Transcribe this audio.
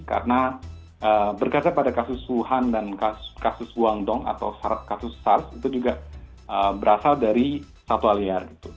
karena berkaca pada kasus wuhan dan kasus guangdong atau kasus sars itu juga berasal dari satu aliar